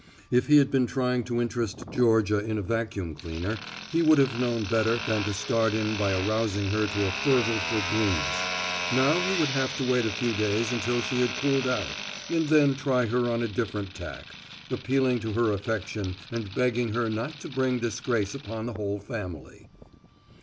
If he had been trying to interest Georgia in a vacuum cleaner, he would have known better than to start in by arousing her to a fervor for brooms. Now he would have to wait a few days until she had cooled out, and then try her on a different tack, appealing to her affection and begging her not to bring disgrace upon the whole family.